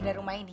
dari rumah ini